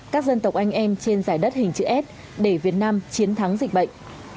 các dân tộc anh em trên giải đất hình chữ s để việt nam chiến thắng dịch bệnh